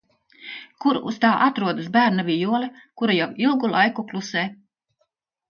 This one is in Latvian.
Kur uz tā atrodas bērna vijole, kura jau ilgu laiku klusē.